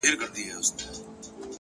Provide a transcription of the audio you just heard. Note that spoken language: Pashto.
عاجزي د شخصیت ښکلا ده.